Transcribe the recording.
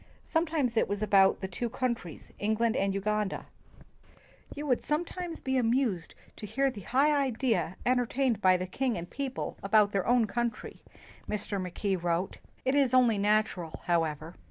Sometimes it was about the two countries, England and Uganda. '' You would sometimes be amused to hear the high idea entertained by the king and people about their own country," Mr. Mackay wrote, "It is only natural, however.